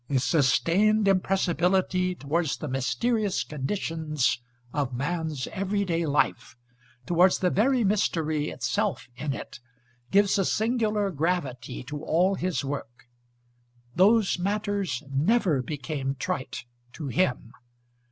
A sustained impressibility towards the mysterious conditions of man's everyday life, towards the very mystery itself in it, gives a singular gravity to all his work: those matters never became trite to him.